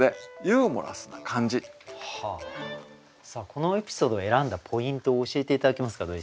このエピソードを選んだポイントを教えて頂けますか土井先生。